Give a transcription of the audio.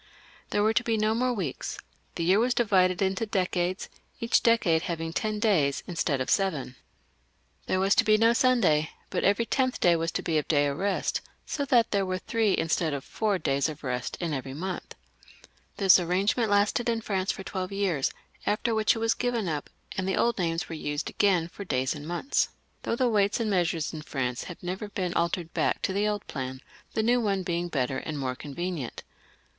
There were to be no more weeks, the year was divided in decades, each decade having ten days instead of seven. There was to be no Sunday, but every tenth day was to be a day of rest, so that there were three instead of four days of Jt in everymontL Thisarrange ment lasted in France for twelve years, after which it was given up, and the old names were used again for days ahd months, though the weights and measures in France have never been altered back to the old plan, the new one being better and more convenient.